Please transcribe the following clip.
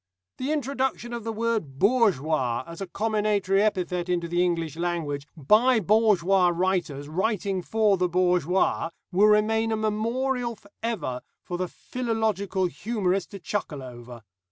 The introduction of the word 'bourgeois' as a comminatory epithet into the English language, by bourgeois writers writing for the bourgeois, will remain a memorial for ever, for the philological humourist to chuckle over.